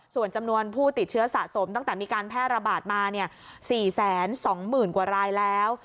ส่วนจำนวนผู้ติดเชื้อสะสมตั้งแต่มีการแพร่ระบาดมา๔๒๐๐๐กว่ารายแล้ว